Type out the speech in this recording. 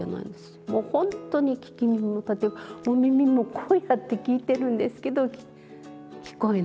もう本当に聞き耳を立てもう耳もこうやって聞いてるんですけど聞こえない。